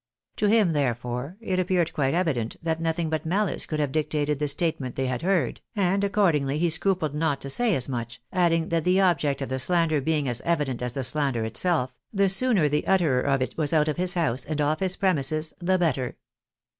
To him, therefore, it appeared quite evident that nothing but maUce could have dictated the statement they had heard, and accordingly he scrupled not to say as much, adding that the object of the slander being as evident as the slander itself, the sooner the utterer ot it was out of his house and off his premises the better.